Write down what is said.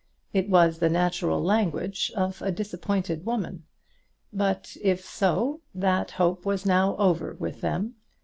It was the natural language of a disappointed woman. But if so, that hope was now over with them.